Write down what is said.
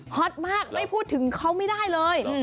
อตมากไม่พูดถึงเขาไม่ได้เลย